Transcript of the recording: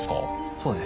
そうです。